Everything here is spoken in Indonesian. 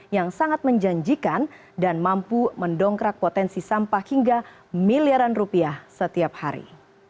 yang sangat menjanjikan dan mampu mendongkrak potensi sampah hingga miliaran rupiah setiap hari